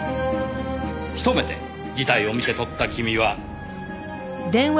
一目で事態を見て取った君は。